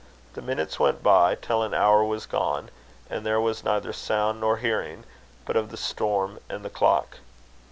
The minutes went by, till an hour was gone, and there was neither sound nor hearing, but of the storm and the clock.